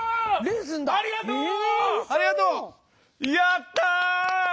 やった！